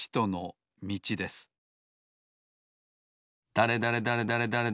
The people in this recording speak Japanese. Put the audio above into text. だれだれだれだれだれ